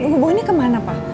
hubunginnya kemana pak